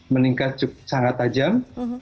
meningkat sangat tajam